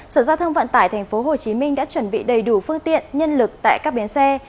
sở giao thông vận tải tp hcm đã chuẩn bị đầy đủ phương tiện nhân lực tại các bến xe